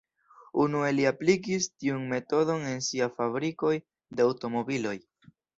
Unue li aplikis tiun metodon en sia fabrikoj de aŭtomobiloj.